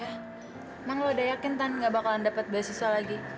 emang lo udah yakin tan gak bakalan dapat beasiswa lagi